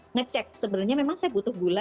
ngecek sebenarnya memang saya butuh gula